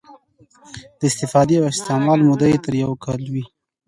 د استفادې او استعمال موده یې تر یو کال وي.